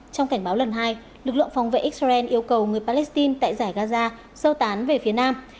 trong cảnh báo lần hai lực lượng phòng vệ israel yêu cầu người palestine tại giải gaza sơ tán về phía nam